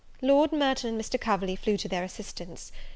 Lord Merton and Mr. Coverley flew to their assistance.